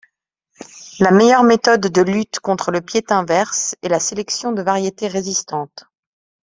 La meilleure méthode de lutte contre le piétin-verse est la sélection de variétés résistantes.